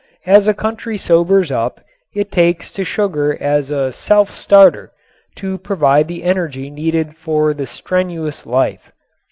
As a country sobers up it takes to sugar as a "self starter" to provide the energy needed for the strenuous life.